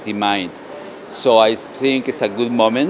tôi nghĩ chúng ta có một số khu vực